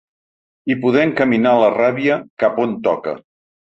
I poder encaminar la ràbia cap on toca.